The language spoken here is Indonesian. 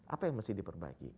apa yang mesti diperbaiki